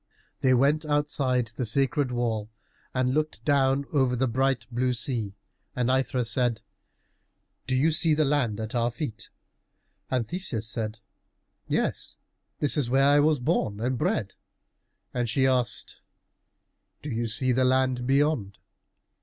They went outside the sacred wall and looked down over the bright blue sea, and Aithra said, "Do you see the land at our feet?" And Theseus said, "Yes, this is where I was born and bred." And she asked, "Do you see the land beyond?"